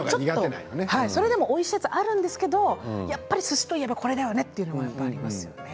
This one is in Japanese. それでも、おいしくはあるんですけれどもやっぱりすしというのはこれだよねというのがありますね。